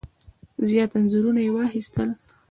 زیات انځورونه یې واخیستل.